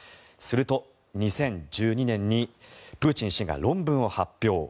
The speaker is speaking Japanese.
すると、２０１２年にプーチン氏が論文を発表。